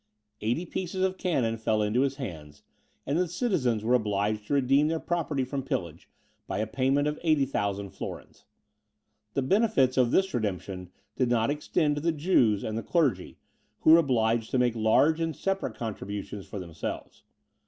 Eighty pieces of cannon fell into his hands, and the citizens were obliged to redeem their property from pillage, by a payment of 80,000 florins. The benefits of this redemption did not extend to the Jews and the clergy, who were obliged to make large and separate contributions for themselves.